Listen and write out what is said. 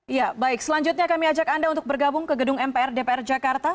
ya baik selanjutnya kami ajak anda untuk bergabung ke gedung mpr dpr jakarta